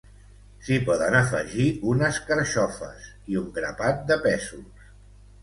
s'hi poden afegir unes carxofes i un grapat de pèsols